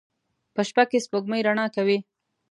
په شپه کې سپوږمۍ رڼا کوي